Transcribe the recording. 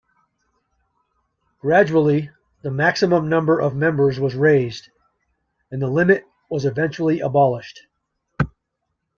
Gradually, the maximum number of members was raised, and the limit was eventually abolished.